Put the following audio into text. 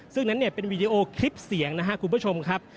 ซึ่งนั้นเนี่ยเป็นวีดีโอคลิปเสียงนะครับคุณผู้ชมครับ